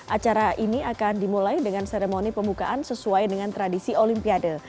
acara ini akan dimulai dengan seremoni pembukaan sesuai dengan tradisi olimpiade